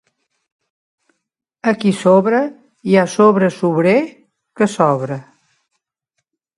Aquí sobre hi ha sobre sobrer que s'obre.